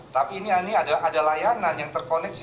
tapi ini ada layanan yang terkoneksi